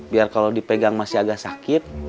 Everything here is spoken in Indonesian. biar kalau dipegang masih agak sakit